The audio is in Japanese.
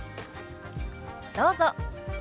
どうぞ。